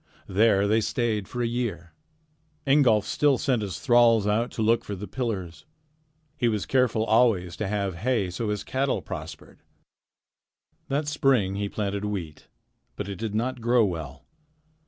There they stayed for a year. Ingolf still sent his thralls out to look for the pillars. He was careful always to have hay, so his cattle prospered. That spring he planted wheat, but it did not grow well.